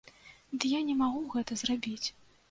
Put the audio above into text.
Ды я не магу гэта зрабіць.